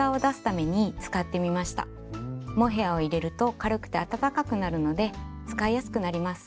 モヘアを入れると軽くて暖かくなるので使いやすくなります。